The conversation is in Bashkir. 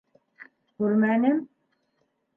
- Күрмәнем.